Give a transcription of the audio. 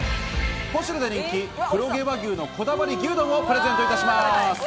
ポシュレで人気、黒毛和牛のこだわり牛丼をプレゼントいたします。